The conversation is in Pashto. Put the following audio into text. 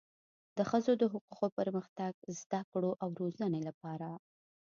د ښځو د حقوقو، پرمختګ، زده کړو او روزنې لپاره